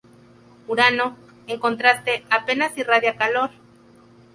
Urano, en contraste, apenas irradia calor.